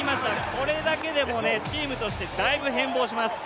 これだけでもチームとしてだいぶ変貌します。